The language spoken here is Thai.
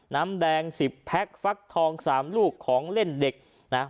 น้ำแดงสิบแพ็คฟักทองสามลูกของเล่นเด็กนะ